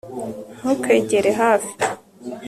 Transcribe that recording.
ntukegere hafi